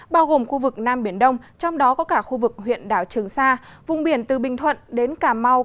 bao gồm khu vực nam biển đông trong đó có cả khu vực huyện đảo trường sa vùng biển từ bình thuận đến cà mau